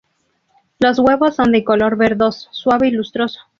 Los huevos son de color verdoso suave y lustroso.